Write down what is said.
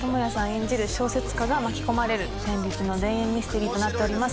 演じる小説家が巻き込まれる戦慄の田園ミステリーとなっております。